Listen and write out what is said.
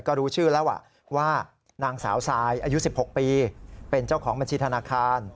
ก็รู้ชื่อแล้วว่านางสาวทรายอายุ๑๖ปีเป็นเจ้าของบัญชีธนาคาร